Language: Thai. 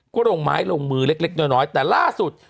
ก็ลงไม้ลงมือเล็กน้อยแต่ล่าสุด